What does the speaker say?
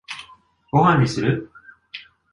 ご飯にする？